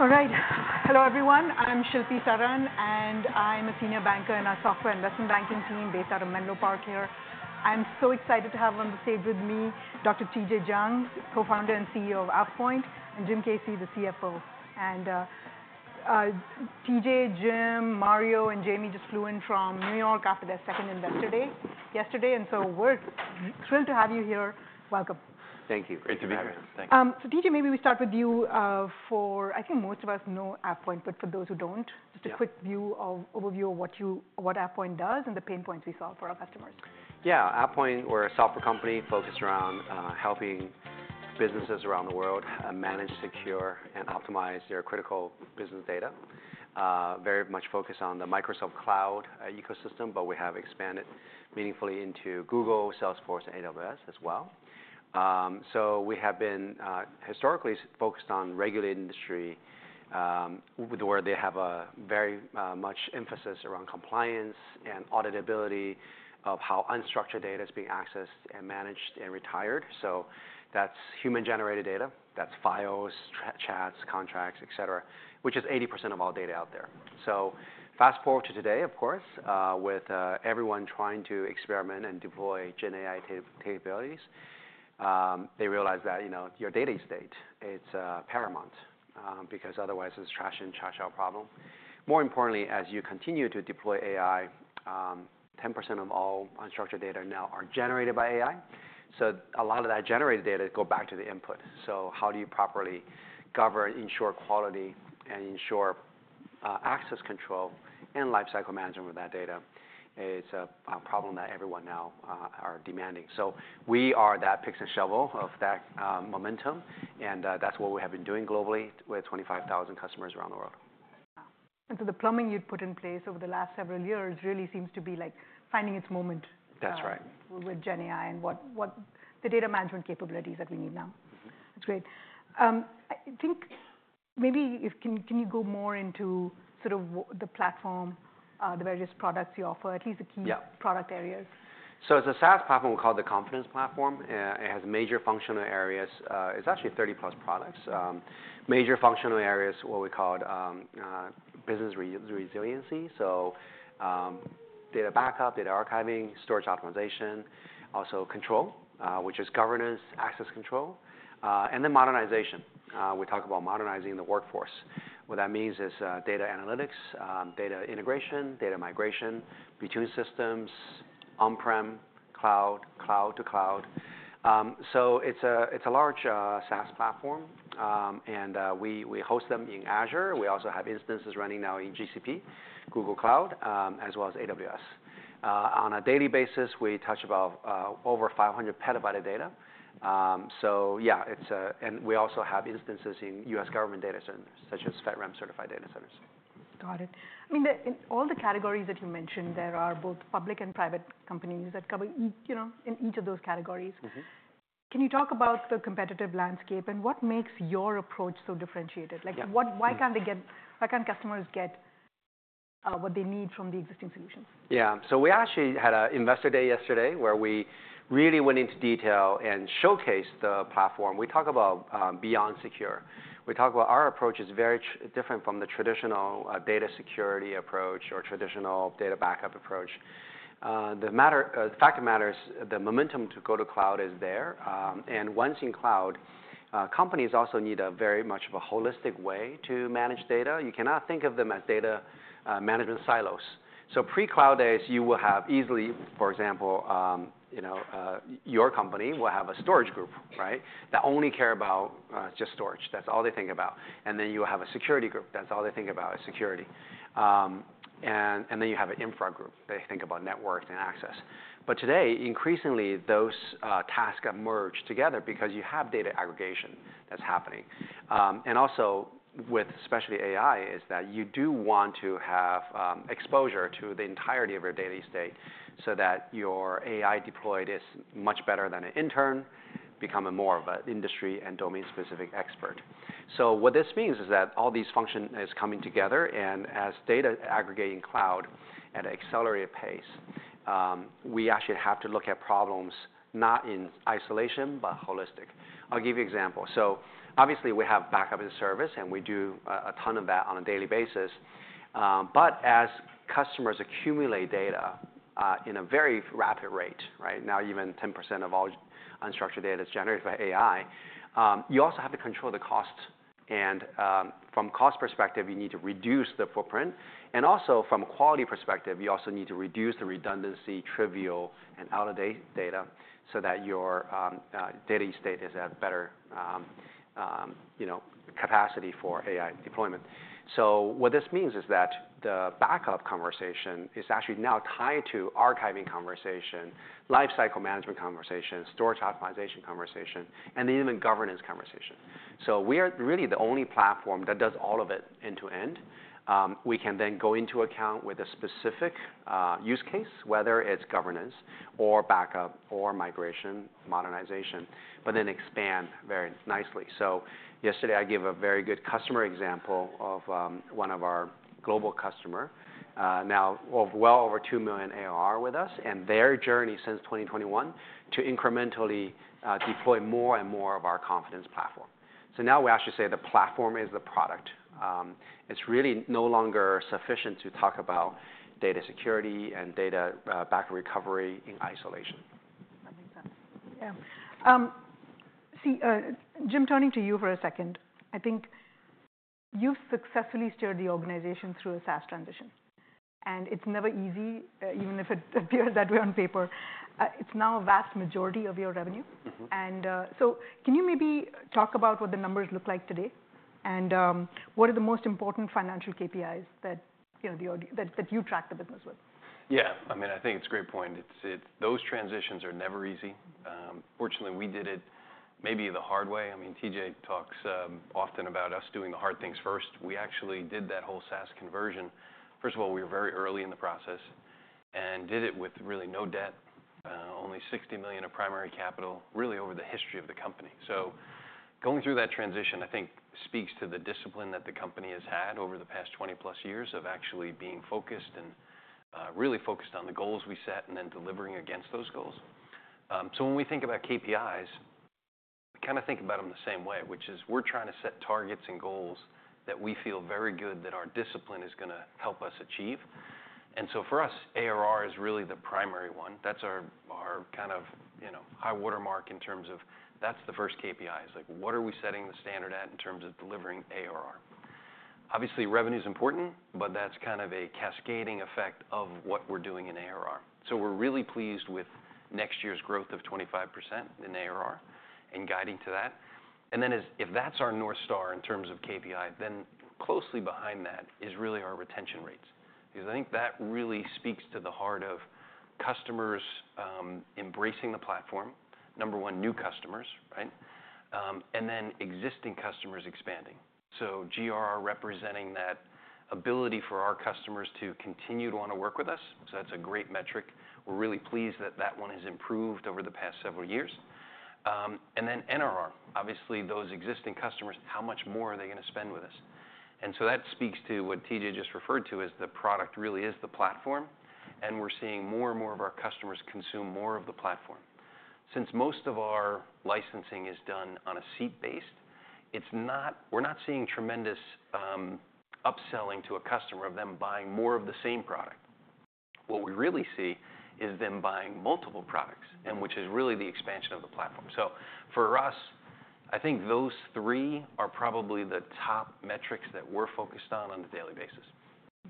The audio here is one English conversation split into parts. All right. Hello, everyone. I'm Shilpi Saran, and I'm a senior banker in our software investment banking team. At the Menlo Park here. I'm so excited to have on the stage with me Dr. TJ Jiang, co-founder and CEO of AvePoint, and Jim Caci, the CFO. TJ, Jim, Mario, and Jamie just flew in from New York after their second Investor Day yesterday. So we're thrilled to have you here. Welcome. Thank you. Great to be here. Thank you. TJ, maybe we start with you. I think most of us know AvePoint, but for those who don't, just a quick overview of what AvePoint does and the pain points we solve for our customers. Yeah. AvePoint, we're a software company focused around helping businesses around the world manage, secure, and optimize their critical business data. Very much focused on the Microsoft Cloud ecosystem, but we have expanded meaningfully into Google, Salesforce, and AWS as well. So we have been historically focused on regulated industry, where they have a very much emphasis around compliance and auditability of how unstructured data is being accessed and managed and retired. So that's human-generated data. That's files, chats, contracts, et cetera, which is 80% of all data out there. So fast forward to today, of course, with everyone trying to experiment and deploy GenAI capabilities, they realize that your data estate, it's paramount because otherwise it's a trash-in, trash-out problem. More importantly, as you continue to deploy AI, 10% of all unstructured data now are generated by AI. So a lot of that generated data goes back to the input. So how do you properly govern, ensure quality, and ensure access control and lifecycle management of that data? It's a problem that everyone now is demanding. So we are that picks and shovels of that momentum. And that's what we have been doing globally with 25,000 customers around the world. And so the plumbing you'd put in place over the last several years really seems to be finding its moment. That's right. With GenAI and the data management capabilities that we need now. That's great. I think maybe can you go more into the platform, the various products you offer, at least the key product areas? It's a SaaS platform called the Confidence Platform. It has major functional areas. It's actually 30-plus products. Major functional areas, what we call business resiliency. So data backup, data archiving, storage optimization, also control, which is governance, access control, and then modernization. We talk about modernizing the workforce. What that means is data analytics, data integration, data migration between systems, on-prem, cloud, cloud to cloud. So it's a large SaaS platform. And we host them in Azure. We also have instances running now in GCP, Google Cloud, as well as AWS. On a daily basis, we touch about over 500 petabytes of data. So yeah, and we also have instances in U.S. government data centers, such as FedRAMP-certified data centers. Got it. I mean, in all the categories that you mentioned, there are both public and private companies that cover in each of those categories. Can you talk about the competitive landscape and what makes your approach so differentiated? Why can't customers get what they need from the existing solutions? Yeah. So we actually had an Investor Day yesterday where we really went into detail and showcased the platform. We talk about beyond secure. We talk about our approach is very different from the traditional data security approach or traditional data backup approach. The fact matters, the momentum to go to cloud is there. And once in cloud, companies also need very much of a holistic way to manage data. You cannot think of them as data management silos. So pre-cloud days, you will have easily, for example, your company will have a storage group that only cares about just storage. That's all they think about. And then you will have a security group. That's all they think about is security. And then you have an infra group. They think about networks and access. But today, increasingly, those tasks have merged together because you have data aggregation that's happening. And also, with especially AI, is that you do want to have exposure to the entirety of your data estate so that your AI deployed is much better than an intern becoming more of an industry and domain-specific expert. So what this means is that all these functions are coming together. And as data aggregates in cloud at an accelerated pace, we actually have to look at problems not in isolation, but holistic. I'll give you an example. So obviously, we have backup and service, and we do a ton of that on a daily basis. But as customers accumulate data in a very rapid rate, now even 10% of all unstructured data is generated by AI, you also have to control the cost. And from a cost perspective, you need to reduce the footprint. Also from a quality perspective, you also need to reduce the redundancy, trivial, and out-of-date data so that your data estate is at better capacity for AI deployment. What this means is that the backup conversation is actually now tied to archiving conversation, lifecycle management conversation, storage optimization conversation, and even governance conversation. We are really the only platform that does all of it end to end. We can then go into account with a specific use case, whether it's governance or backup or migration modernization, but then expand very nicely. Yesterday, I gave a very good customer example of one of our global customers now of well over $2 million ARR with us and their journey since 2021 to incrementally deploy more and more of our Confidence Platform. Now we actually say the platform is the product. It's really no longer sufficient to talk about data security and data backup recovery in isolation. That makes sense. Yeah. See, Jim, turning to you for a second, I think you've successfully steered the organization through a SaaS transition. And it's never easy, even if it appears that way on paper. It's now a vast majority of your revenue. And so can you maybe talk about what the numbers look like today? And what are the most important financial KPIs that you track the business with? Yeah. I mean, I think it's a great point. Those transitions are never easy. Fortunately, we did it maybe the hard way. I mean, TJ talks often about us doing the hard things first. We actually did that whole SaaS conversion. First of all, we were very early in the process and did it with really no debt, only $60 million of primary capital, really over the history of the company. So going through that transition, I think, speaks to the discipline that the company has had over the past 20-plus years of actually being focused and really focused on the goals we set and then delivering against those goals. So when we think about KPIs, we kind of think about them the same way, which is we're trying to set targets and goals that we feel very good that our discipline is going to help us achieve. And so for us, ARR is really the primary one. That's our kind of high watermark in terms of that's the first KPIs. What are we setting the standard at in terms of delivering ARR? Obviously, revenue is important, but that's kind of a cascading effect of what we're doing in ARR. So we're really pleased with next year's growth of 25% in ARR and guiding to that. And then if that's our North Star in terms of KPI, then closely behind that is really our retention rates. Because I think that really speaks to the heart of customers embracing the platform, number one, new customers, and then existing customers expanding. So GRR representing that ability for our customers to continue to want to work with us. So that's a great metric. We're really pleased that that one has improved over the past several years. Then NRR, obviously, those existing customers, how much more are they going to spend with us? And so that speaks to what TJ just referred to as the product really is the platform. And we're seeing more and more of our customers consume more of the platform. Since most of our licensing is done on a seat-based, we're not seeing tremendous upselling to a customer of them buying more of the same product. What we really see is them buying multiple products, which is really the expansion of the platform. So for us, I think those three are probably the top metrics that we're focused on on a daily basis.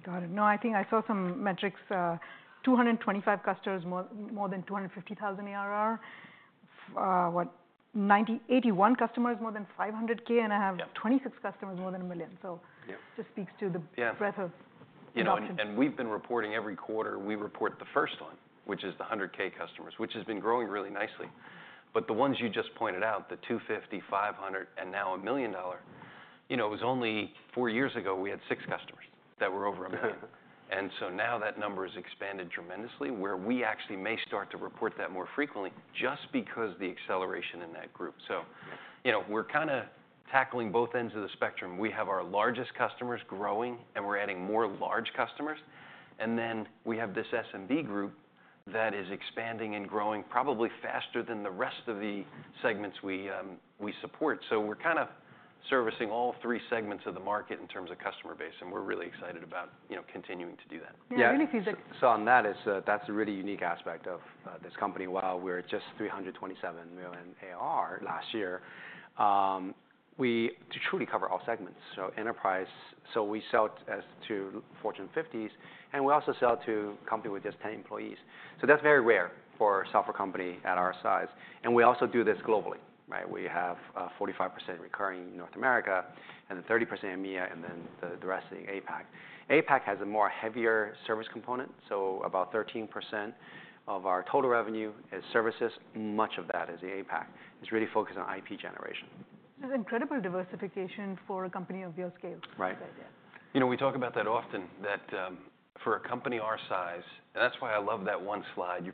Got it. No, I think I saw some metrics. 225 customers, more than $250,000 ARR. What, 81 customers, more than $500K, and I have 26 customers, more than $1 million. So it just speaks to the breadth of. And we've been reporting every quarter. We report the first one, which is the 100K customers, which has been growing really nicely. But the ones you just pointed out, the 250, 500, and now a million-dollar, it was only four years ago we had six customers that were over a million. And so now that number has expanded tremendously, where we actually may start to report that more frequently just because of the acceleration in that group. So we're kind of tackling both ends of the spectrum. We have our largest customers growing, and we're adding more large customers. And then we have this SMB group that is expanding and growing probably faster than the rest of the segments we support. So we're kind of servicing all three segments of the market in terms of customer base. And we're really excited about continuing to do that. Yeah. I mean, if you. So on that, that's a really unique aspect of this company. While we were just $327 million ARR last year, we truly cover all segments. So enterprise, so we sell to Fortune 50. And we also sell to a company with just 10 employees. So that's very rare for a software company at our size. And we also do this globally. We have 45% recurring in North America and then 30% EMEA and then the rest in APAC. APAC has a more heavier service component. So about 13% of our total revenue is services. Much of that is the APAC. It's really focused on IP generation. This is incredible diversification for a company of your scale. Right. We talk about that often, that for a company our size, and that's why I love that one slide.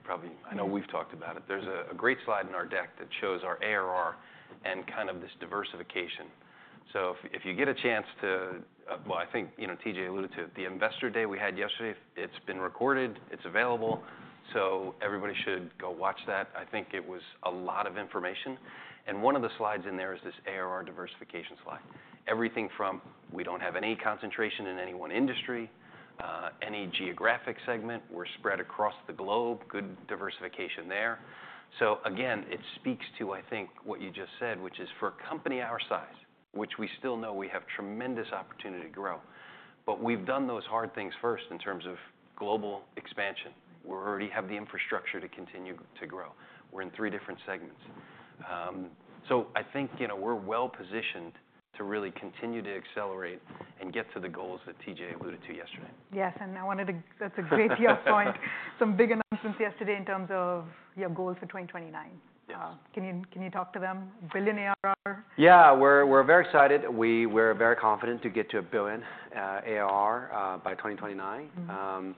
I know we've talked about it. There's a great slide in our deck that shows our ARR and kind of this diversification. So if you get a chance to, well, I think TJ alluded to it, the Investor Day we had yesterday, it's been recorded. It's available. So everybody should go watch that. I think it was a lot of information, and one of the slides in there is this ARR diversification slide. Everything from we don't have any concentration in any one industry, any geographic segment. We're spread across the globe. Good diversification there. So again, it speaks to, I think, what you just said, which is for a company our size, which we still know we have tremendous opportunity to grow. But we've done those hard things first in terms of global expansion. We already have the infrastructure to continue to grow. We're in three different segments. So I think we're well positioned to really continue to accelerate and get to the goals that TJ alluded to yesterday. Yes, and I wanted to. That's a great PR point. Some big announcements yesterday in terms of your goals for 2029. Can you talk to them? $1 billion ARR. Yeah. We're very excited. We're very confident to get to a billion ARR by 2029.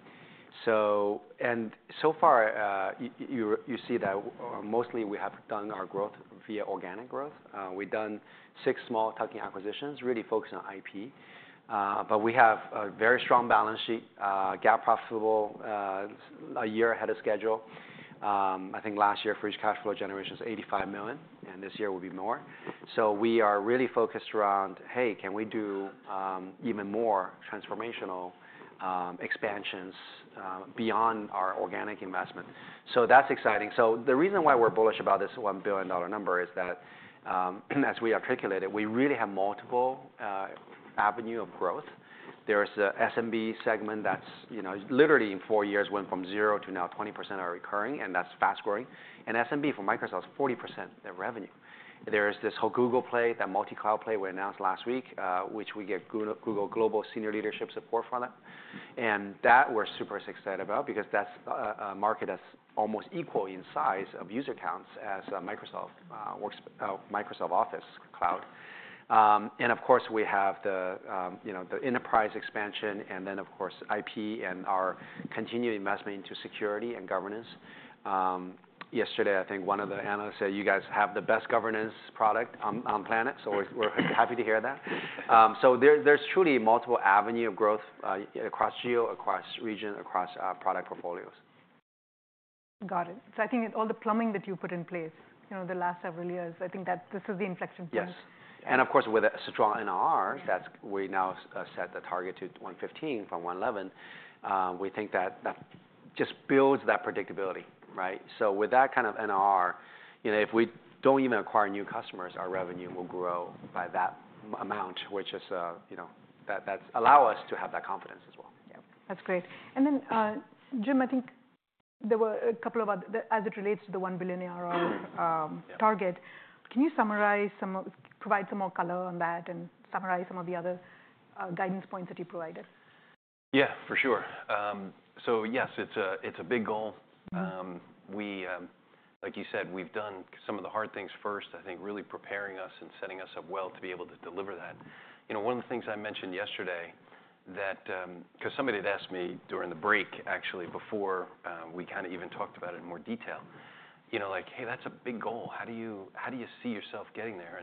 And so far, you see that mostly we have done our growth via organic growth. We've done six small tuck-in acquisitions, really focused on IP. But we have a very strong balance sheet, GAAP profitable a year ahead of schedule. I think last year free cash flow generation was $85 million. And this year will be more. So we are really focused around, hey, can we do even more transformational expansions beyond our organic investment? So that's exciting. So the reason why we're bullish about this $1 billion number is that as we articulated, we really have multiple avenues of growth. There's an SMB segment that's literally in four years went from 0 to now 20% are recurring. And that's fast growing. And SMB for Microsoft is 40% of revenue. There is this whole Google play, that multi-cloud play we announced last week, which we get Google Global Senior Leadership support for that, and that we're super excited about because that's a market that's almost equal in size of user counts as Microsoft Office Cloud. Of course, we have the enterprise expansion, and then, of course, IP and our continued investment into security and governance. Yesterday, I think one of the analysts said, "You guys have the best governance product on the planet." So we're happy to hear that. So there's truly multiple avenues of growth across geo, across region, across product portfolios. Got it. So I think all the plumbing that you put in place the last several years, I think that this is the inflection point. Yes. And of course, with a strong NRR, we now set the target to 115 from 111. We think that just builds that predictability. So with that kind of NRR, if we don't even acquire new customers, our revenue will grow by that amount, which allows us to have that confidence as well. Yeah. That's great. And then, Jim, I think there were a couple of, as it relates to the $1 billion target, can you summarize, provide some more color on that and summarize some of the other guidance points that you provided? Yeah, for sure. So yes, it's a big goal. Like you said, we've done some of the hard things first, I think, really preparing us and setting us up well to be able to deliver that. One of the things I mentioned yesterday, because somebody had asked me during the break, actually, before we kind of even talked about it in more detail, like, hey, that's a big goal. How do you see yourself getting there?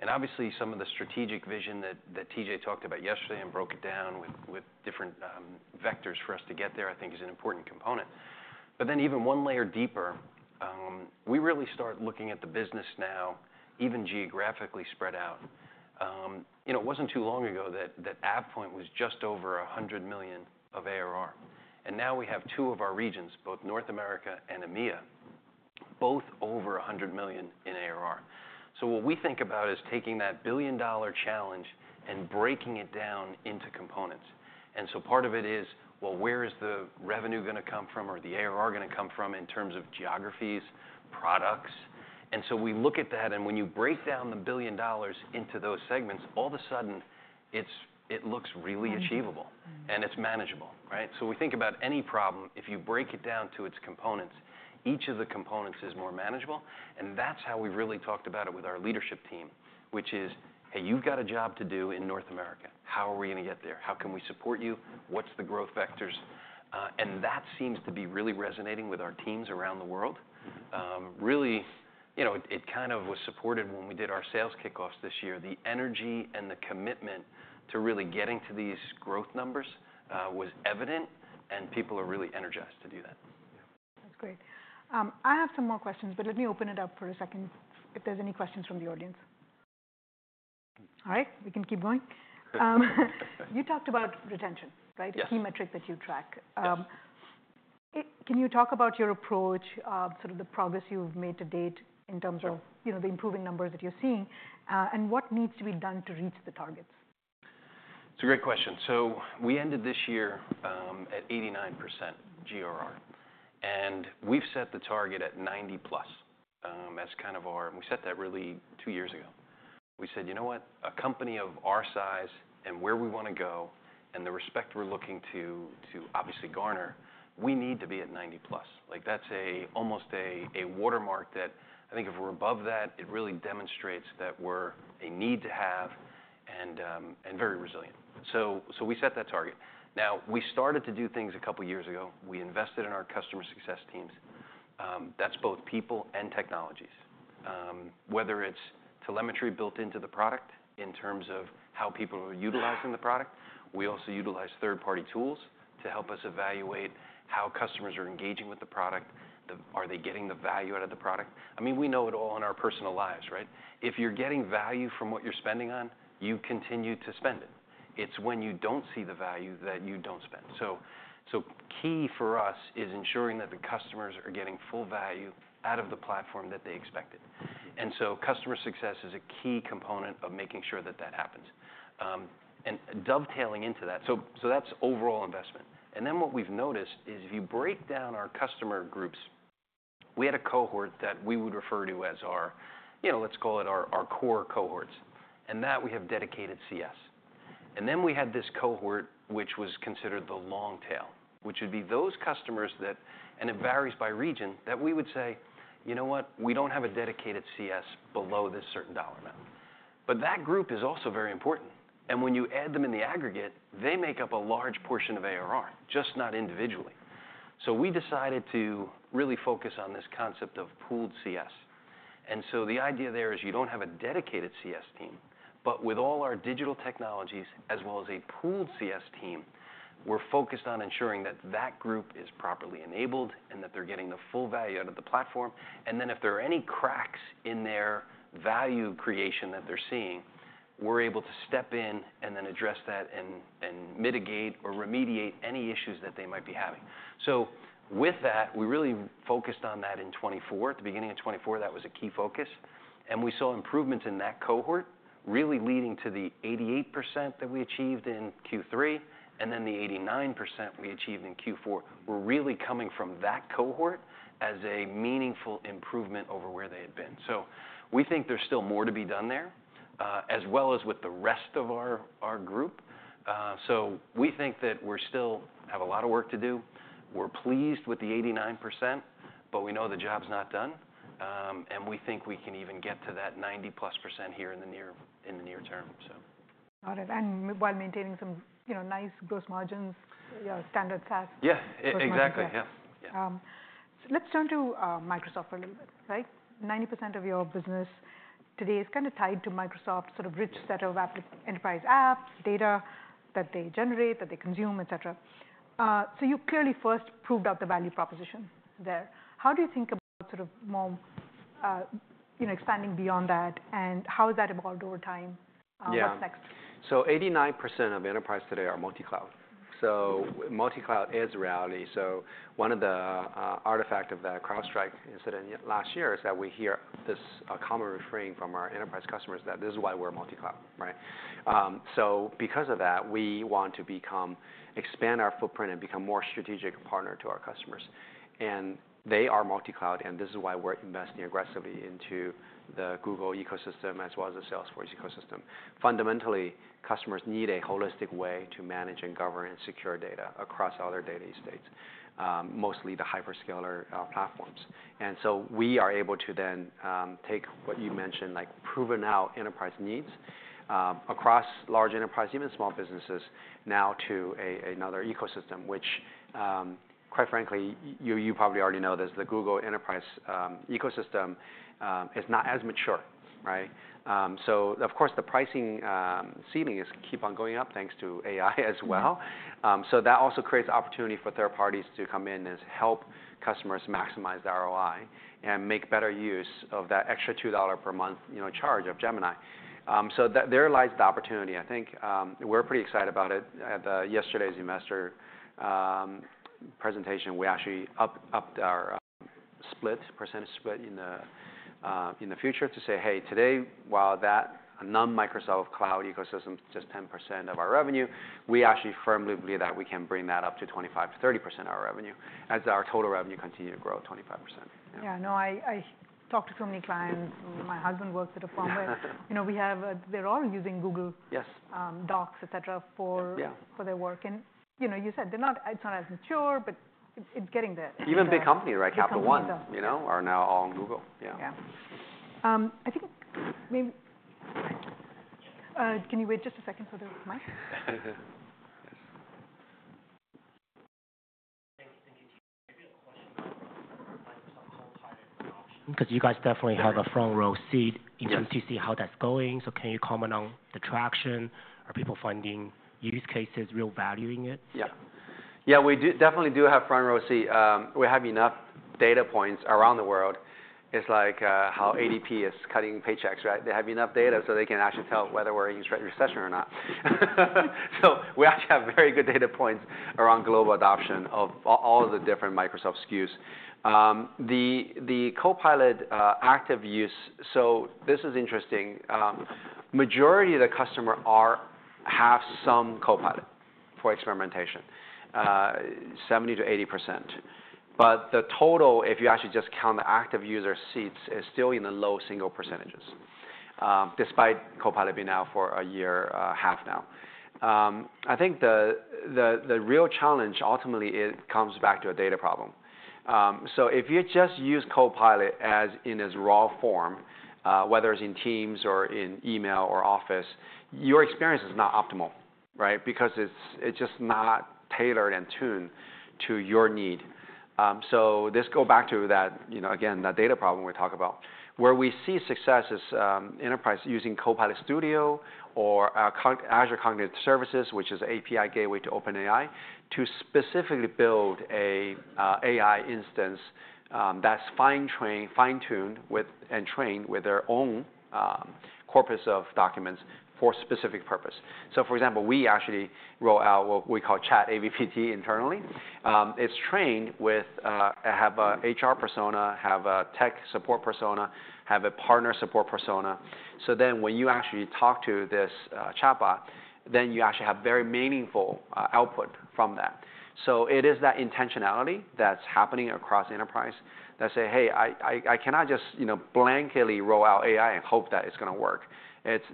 And obviously, some of the strategic vision that TJ talked about yesterday and broke it down with different vectors for us to get there, I think, is an important component. But then even one layer deeper, we really start looking at the business now, even geographically spread out. It wasn't too long ago that AvePoint was just over 100 million of ARR. Now we have two of our regions, both North America and EMEA, both over $100 million in ARR. So what we think about is taking that billion-dollar challenge and breaking it down into components. And so part of it is, well, where is the revenue going to come from or the ARR going to come from in terms of geographies, products? And so we look at that. And when you break down the $1 billion into those segments, all of a sudden, it looks really achievable and it's manageable. So we think about any problem, if you break it down to its components, each of the components is more manageable. And that's how we really talked about it with our leadership team, which is, hey, you've got a job to do in North America. How are we going to get there? How can we support you? What's the growth vectors? And that seems to be really resonating with our teams around the world. Really, it kind of was supported when we did our sales kickoffs this year. The energy and the commitment to really getting to these growth numbers was evident. And people are really energized to do that. That's great. I have some more questions, but let me open it up for a second if there's any questions from the audience. All right. We can keep going. You talked about retention, right? Key metric that you track. Can you talk about your approach, sort of the progress you've made to date in terms of the improving numbers that you're seeing? And what needs to be done to reach the targets? It's a great question. So we ended this year at 89% GRR. And we've set the target at 90-plus as kind of our, we set that really two years ago. We said, you know what? A company of our size and where we want to go and the respect we're looking to obviously garner, we need to be at 90-plus. That's almost a watermark that I think if we're above that, it really demonstrates that we're a need to have and very resilient. So we set that target. Now, we started to do things a couple of years ago. We invested in our customer success teams. That's both people and technologies, whether it's telemetry built into the product in terms of how people are utilizing the product. We also utilize third-party tools to help us evaluate how customers are engaging with the product. Are they getting the value out of the product? I mean, we know it all in our personal lives. If you're getting value from what you're spending on, you continue to spend it. It's when you don't see the value that you don't spend. So key for us is ensuring that the customers are getting full value out of the platform that they expected. And so customer success is a key component of making sure that that happens. And dovetailing into that, so that's overall investment. And then what we've noticed is if you break down our customer groups, we had a cohort that we would refer to as our, let's call it our core cohorts. And that we have dedicated CS. And then we had this cohort, which was considered the long tail, which would be those customers that, and it varies by region, that we would say, you know what? We don't have a dedicated CS below this certain dollar amount. But that group is also very important. And when you add them in the aggregate, they make up a large portion of ARR, just not individually. So we decided to really focus on this concept of pooled CS. And so the idea there is you don't have a dedicated CS team. But with all our digital technologies as well as a pooled CS team, we're focused on ensuring that that group is properly enabled and that they're getting the full value out of the platform. If there are any cracks in their value creation that they're seeing, we're able to step in and then address that and mitigate or remediate any issues that they might be having. With that, we really focused on that in 2024. At the beginning of 2024, that was a key focus. We saw improvements in that cohort, really leading to the 88% that we achieved in Q3 and then the 89% we achieved in Q4. We're really coming from that cohort as a meaningful improvement over where they had been. We think there's still more to be done there, as well as with the rest of our group. We think that we still have a lot of work to do. We're pleased with the 89%, but we know the job's not done. We think we can even get to that 90+% here in the near term. Got it. And while maintaining some nice gross margins, standard SaaS. Yeah, exactly. Yeah. So let's turn to Microsoft for a little bit. 90% of your business today is kind of tied to Microsoft's sort of rich set of enterprise apps, data that they generate, that they consume, et cetera. So you clearly first proved out the value proposition there. How do you think about sort of more expanding beyond that? And how has that evolved over time? What's next? Yeah. So, 89% of enterprise today are multi-cloud. So, multi-cloud is a reality. So, one of the artifacts of that CrowdStrike incident last year is that we hear this common refrain from our enterprise customers that this is why we're multi-cloud. So, because of that, we want to expand our footprint and become a more strategic partner to our customers. And they are multi-cloud. And this is why we're investing aggressively into the Google ecosystem as well as the Salesforce ecosystem. Fundamentally, customers need a holistic way to manage and govern and secure data across all their data estates, mostly the hyperscaler platforms. And so we are able to then take what you mentioned, like proving out enterprise needs across large enterprise, even small businesses, now to another ecosystem, which, quite frankly, you probably already know this, the Google enterprise ecosystem is not as mature. So of course, the pricing ceiling is keep on going up thanks to AI as well. So that also creates opportunity for third parties to come in and help customers maximize ROI and make better use of that extra $2 per month charge of Gemini. So there lies the opportunity. I think we're pretty excited about it. At yesterday's investor presentation, we actually upped our percentage split in the future to say, hey, today, while that non-Microsoft Cloud ecosystem is just 10% of our revenue, we actually firmly believe that we can bring that up to 25% to 30% of our revenue as our total revenue continues to grow 25%. Yeah. No, I talked to so many clients. My husband works at a firm where they're all using Google Docs, et cetera, for their work. And you said it's not as mature, but it's getting there. Even big companies, right? Capital One are now all on Google. Yeah. Yeah. I think maybe, can you wait just a second for the mic? Thank you, TJ. Maybe a question about Microsoft Copilot for adoption. Because you guys definitely have a front row seat in terms to see how that's going. So can you comment on the traction? Are people finding use cases, real value in it? Yeah. Yeah, we definitely do have front row seat. We have enough data points around the world. It's like how ADP is cutting paychecks, right? They have enough data so they can actually tell whether we're in a recession or not. So we actually have very good data points around global adoption of all the different Microsoft SKUs. The Copilot active use, so this is interesting. The majority of the customers have some Copilot for experimentation, 70%-80%. But the total, if you actually just count the active user seats, is still in the low single percentages, despite Copilot being out for a year and a half now. I think the real challenge ultimately comes back to a data problem. So if you just use Copilot as in its raw form, whether it's in Teams or in email or office, your experience is not optimal because it's just not tailored and tuned to your need. So this goes back to, again, that data problem we talked about. Where we see success is enterprise using Copilot Studio or Azure Cognitive Services, which is an API gateway to OpenAI, to specifically build an AI instance that's fine-tuned and trained with their own corpus of documents for a specific purpose. So for example, we actually roll out what we call ChatAVPT internally. It's trained with, have an HR persona, have a tech support persona, have a partner support persona. So then when you actually talk to this chatbot, then you actually have very meaningful output from that. So it is that intentionality that's happening across enterprise that say, hey, I cannot just blanketly roll out AI and hope that it's going to work.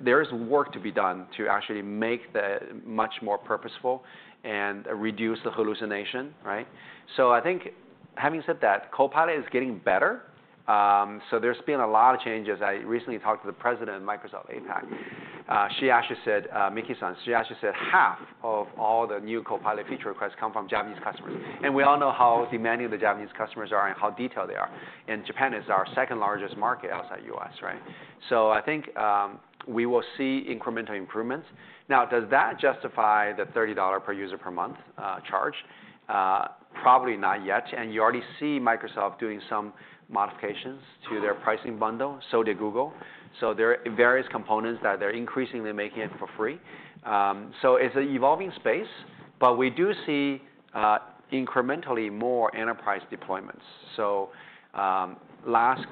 There is work to be done to actually make that much more purposeful and reduce the hallucination. So I think having said that, Copilot is getting better. So there's been a lot of changes. I recently talked to the president of Microsoft APAC. She actually said, Miki-san. She actually said half of all the new Copilot feature requests come from Japanese customers. And we all know how demanding the Japanese customers are and how detailed they are. And Japan is our second largest market outside the U.S. So I think we will see incremental improvements. Now, does that justify the $30 per user per month charge? Probably not yet. And you already see Microsoft doing some modifications to their pricing bundle. So did Google. So there are various components that they're increasingly making it for free. So it's an evolving space. But we do see incrementally more enterprise deployments. So last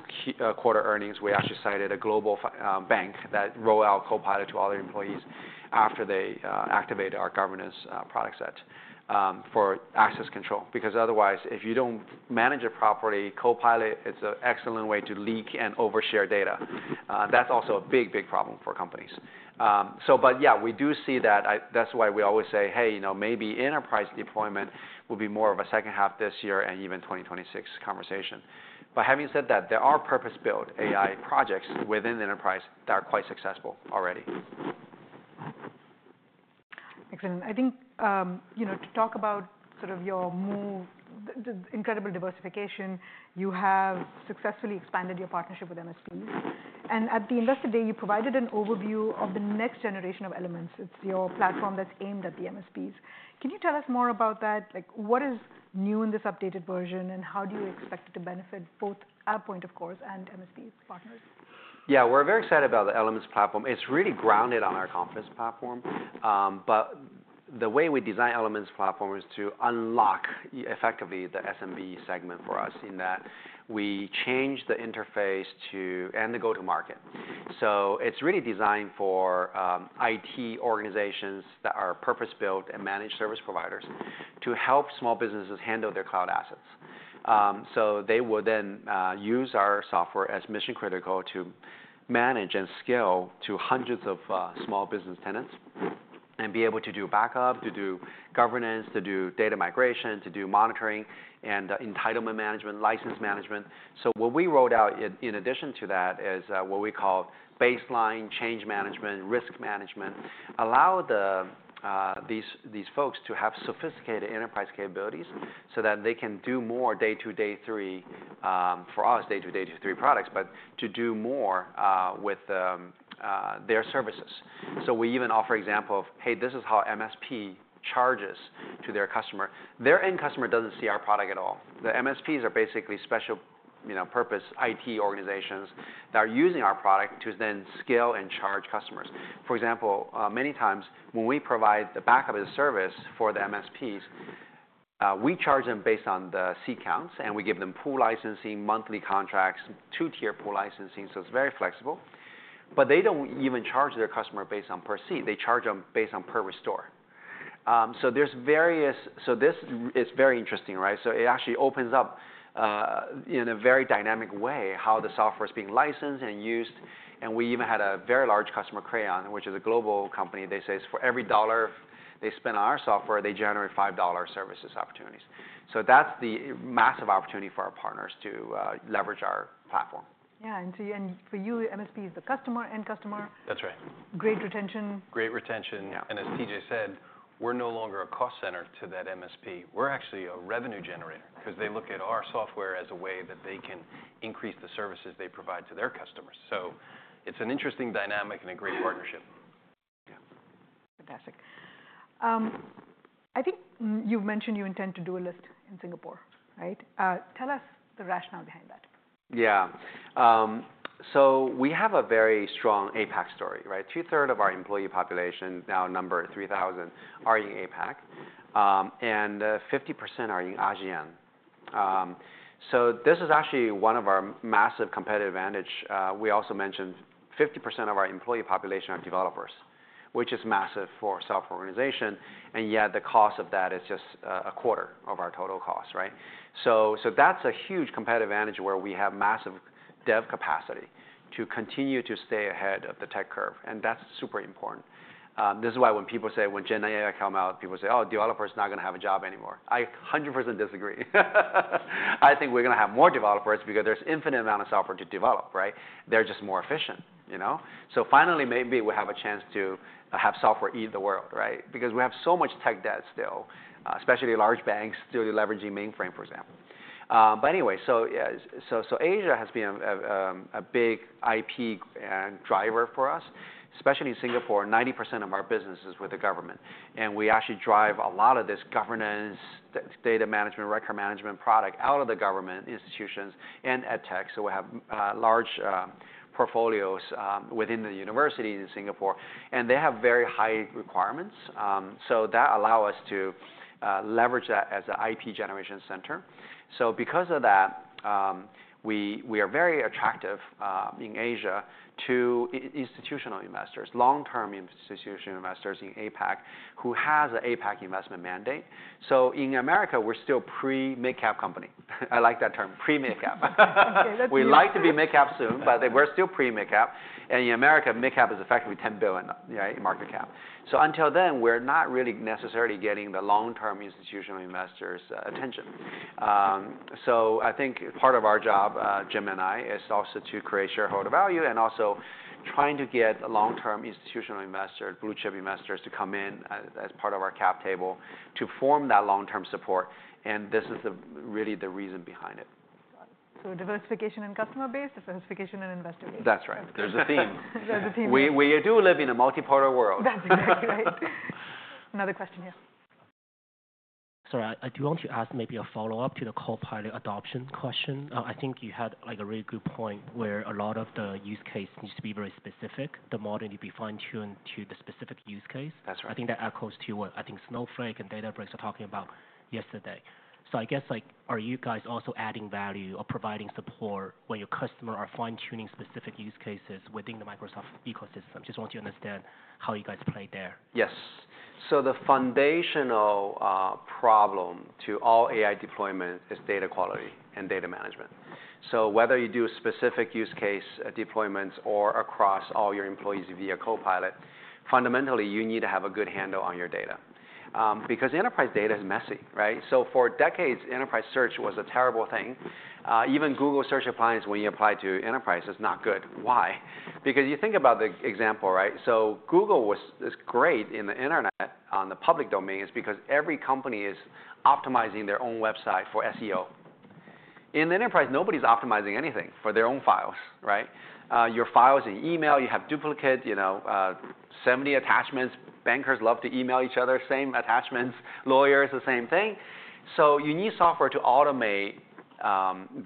quarter earnings, we actually cited a global bank that rolled out Copilot to all their employees after they activated our governance product set for access control. Because otherwise, if you don't manage it properly, Copilot is an excellent way to leak and overshare data. That's also a big, big problem for companies. But yeah, we do see that. That's why we always say, hey, maybe enterprise deployment will be more of a second half this year and even 2026 conversation. But having said that, there are purpose-built AI projects within enterprise that are quite successful already. Excellent. I think to talk about sort of your move, incredible diversification, you have successfully expanded your partnership with MSP, and at the Investor Day, you provided an overview of the next generation of Elements. It's your platform that's aimed at the MSPs. Can you tell us more about that? What is new in this updated version? and how do you expect it to benefit both AvePoint, of course, and MSP partners? Yeah, we're very excited about the Elements platform. It's really grounded on our Confidence platform. But the way we design Elements platform is to unlock effectively the SMB segment for us in that we change the interface to and the go-to-market. So it's really designed for IT organizations that are purpose-built and managed service providers to help small businesses handle their cloud assets. So they will then use our software as mission critical to manage and scale to hundreds of small business tenants and be able to do backup, to do governance, to do data migration, to do monitoring and entitlement management, license management. So what we rolled out in addition to that is what we call baseline change management, risk management, allow these folks to have sophisticated enterprise capabilities so that they can do more day two, day three for us, day two, day three products, but to do more with their services. So we even offer an example of, hey, this is how MSP charges to their customer. Their end customer doesn't see our product at all. The MSPs are basically special purpose IT organizations that are using our product to then scale and charge customers. For example, many times when we provide the backup as a service for the MSPs, we charge them based on the seat counts, and we give them pool licensing, monthly contracts, two-tier pool licensing. So it's very flexible, but they don't even charge their customer based on per seat. They charge them based on per restore. This is very interesting. It actually opens up in a very dynamic way how the software is being licensed and used. We even had a very large customer, Crayon, which is a global company. They say it's for every dollar they spend on our software, they generate $5 services opportunities. That's the massive opportunity for our partners to leverage our platform. Yeah. And for you, MSP is the customer, end customer. That's right. Great retention. Great retention. And as TJ said, we're no longer a cost center to that MSP. We're actually a revenue generator because they look at our software as a way that they can increase the services they provide to their customers. So it's an interesting dynamic and a great partnership. Fantastic. I think you've mentioned you intend to do a list in Singapore. Tell us the rationale behind that. Yeah. So we have a very strong APAC story. Two-thirds of our employee population, now number 3,000, are in APAC. And 50% are in ASEAN. So this is actually one of our massive competitive advantages. We also mentioned 50% of our employee population are developers, which is massive for a software organization. And yet the cost of that is just a quarter of our total cost. So that's a huge competitive advantage where we have massive dev capacity to continue to stay ahead of the tech curve. And that's super important. This is why when people say when Gen AI comes out, people say, oh, developers are not going to have a job anymore. I 100% disagree. I think we're going to have more developers because there's an infinite amount of software to develop. They're just more efficient. So finally, maybe we have a chance to have software eat the world because we have so much tech debt still, especially large banks still leveraging mainframe, for example. But anyway, so Asia has been a big IP driver for us, especially in Singapore. 90% of our business is with the government. And we actually drive a lot of this governance, data management, record management product out of the government institutions and edtech. So we have large portfolios within the universities in Singapore. And they have very high requirements. So that allows us to leverage that as an IP generation center. So because of that, we are very attractive in Asia to institutional investors, long-term institutional investors in APAC who have an APAC investment mandate. So in America, we're still a pre-midcap company. I like that term, pre-midcap. We'd like to be midcap soon, but we're still pre-midcap. In America, midcap is effectively $10 billion market cap. So until then, we're not really necessarily getting the long-term institutional investors' attention. So I think part of our job, Gemini, is also to create shareholder value and also trying to get long-term institutional investors, blue chip investors to come in as part of our cap table to form that long-term support. This is really the reason behind it. Diversification and customer base, diversification and investor base. That's right. There's a theme. We do live in a multiparted world. That's exactly right. Another question here. Sorry, I do want to ask maybe a follow-up to the Copilot adoption question. I think you had a really good point where a lot of the use case needs to be very specific. The model needs to be fine-tuned to the specific use case. I think that echoes to what I think Snowflake and Databricks are talking about yesterday. So I guess, are you guys also adding value or providing support when your customers are fine-tuning specific use cases within the Microsoft ecosystem? Just want to understand how you guys play there. Yes. So the foundational problem to all AI deployments is data quality and data management. So whether you do specific use case deployments or across all your employees via Copilot, fundamentally, you need to have a good handle on your data. Because enterprise data is messy. So for decades, enterprise search was a terrible thing. Even Google Search Appliance, when you apply to enterprise, is not good. Why? Because you think about the example. So Google is great in the internet on the public domains because every company is optimizing their own website for SEO. In the enterprise, nobody's optimizing anything for their own files. Your files in email, you have duplicate, 70 attachments. Bankers love to email each other, same attachments. Lawyers, the same thing. So you need software to automate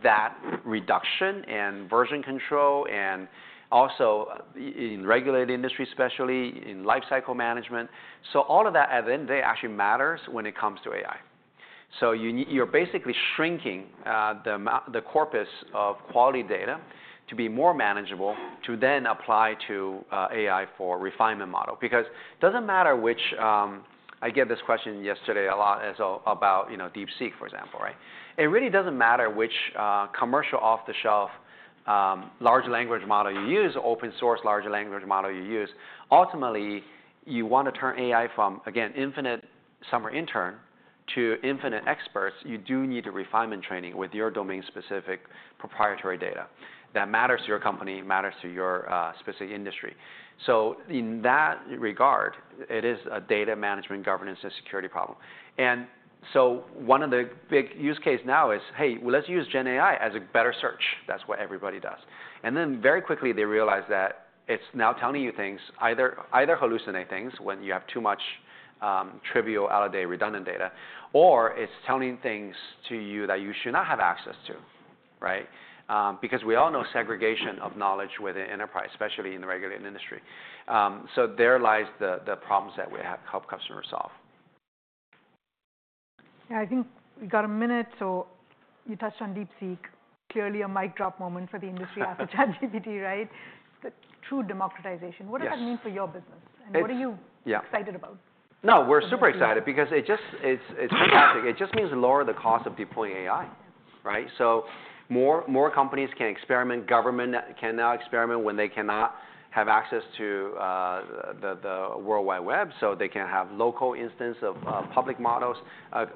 that reduction and version control and also in regulated industry, especially in lifecycle management. So all of that, at the end of the day, actually matters when it comes to AI. So you're basically shrinking the corpus of quality data to be more manageable to then apply to AI for refinement model. Because it doesn't matter which. I get this question yesterday a lot about DeepSeek, for example. It really doesn't matter which commercial off-the-shelf large language model you use or open-source large language model you use. Ultimately, you want to turn AI from, again, infinite summer intern to infinite experts. You do need the refinement training with your domain-specific proprietary data that matters to your company, matters to your specific industry. So in that regard, it is a data management, governance, and security problem. And so one of the big use cases now is, hey, let's use GenAI as a better search. That's what everybody does. And then very quickly, they realize that it's now telling you things, either hallucinate things when you have too much trivial out-of-date redundant data, or it's telling things to you that you should not have access to. Because we all know segregation of knowledge within enterprise, especially in the regulated industry. So there lies the problems that we have helped customers solve. I think we've got a minute. So you touched on DeepSeek. Clearly, a mic drop moment for the industry after ChatGPT, right? The true democratization. What does that mean for your business? And what are you excited about? No, we're super excited because it's fantastic. It just means lower the cost of deploying AI. So more companies can experiment. Government can now experiment when they cannot have access to the worldwide web. So they can have local instances of public models,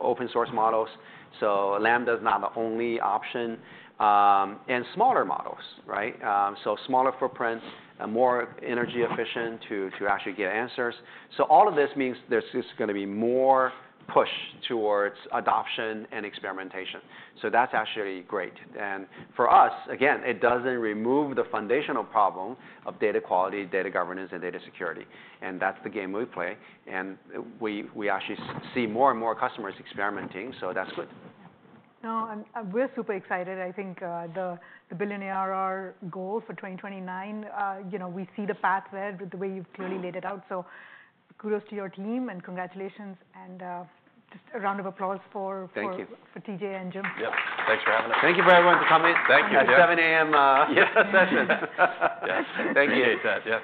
open-source models. So Llama is not the only option. And smaller models. So smaller footprint, more energy efficient to actually get answers. So all of this means there's just going to be more push towards adoption and experimentation. So that's actually great. And for us, again, it doesn't remove the foundational problem of data quality, data governance, and data security. And that's the game we play. And we actually see more and more customers experimenting. So that's good. No, we're super excited. I think the billion ARR goal for 2029, we see the path there with the way you've clearly laid it out. So kudos to your team. And congratulations. And just a round of applause for TJ and Jim. Thanks for having us. Thank you for everyone for coming. Thank you for the 7:00 A.M. session. Thank you.